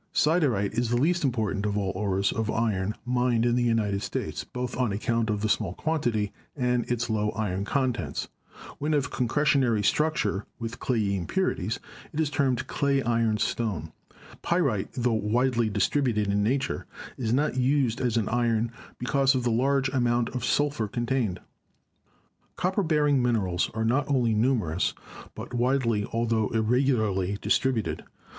Siderite is the least important of all the ores of iron mined in the United States, both on account of the small quantity and its low iron contents. When of concretion ary structure, with clayey impurities, it is termed clay iron stone. Pyrite, tho widely distributed in nature, is not used as an iron because of the large amount of sulphur contained. Copper bearing minerals are not only numerous, but widely altho irregularly distributed.